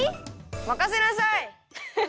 まかせなさい！